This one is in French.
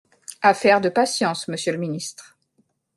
Affaire de patience, monsieur le ministre.